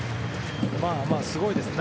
すごいですね。